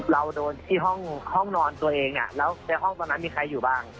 เราโดนที่ห้องนอนตัวเองเนี่ยแล้วในห้องตอนนั้นมีใครอยู่บ้าง